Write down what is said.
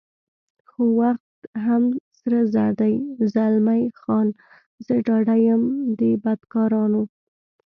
خو وخت هم سره زر دی، زلمی خان: زه ډاډه یم دې بدکارانو.